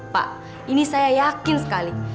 pak ini saya yakin sekali